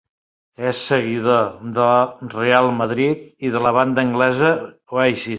És seguidor de Real Madrid i de la banda anglesa Oasis.